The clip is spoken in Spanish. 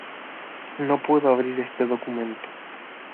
No puedo abrir este documento.